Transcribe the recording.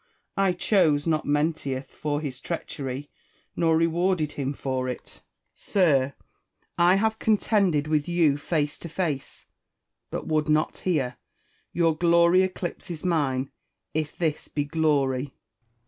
I chose not Menteith for his treachery, nor rewarded him for it. Sir, I have contended io8 IMA GINAR V CONFERS A TIONS. with you face to face ; but would not here : your glory eclipses mine, if this be glory.